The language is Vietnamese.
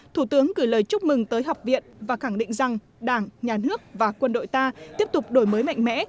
thủ tướng gửi lời chúc mừng tới học viện và khẳng định rằng đảng nhà nước và quân đội ta tiếp tục đổi mới mạnh mẽ